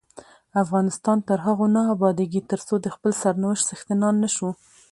افغانستان تر هغو نه ابادیږي، ترڅو د خپل سرنوشت څښتنان نشو.